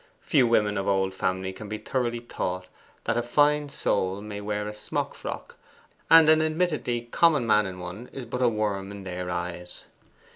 Few women of old family can be thoroughly taught that a fine soul may wear a smock frock, and an admittedly common man in one is but a worm in their eyes.